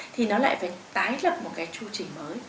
thì nó lại phải tái lập một cái chu trình mới